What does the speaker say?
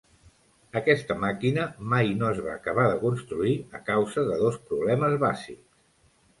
Aquesta màquina mai no es va acabar de construir a causa de dos problemes bàsics.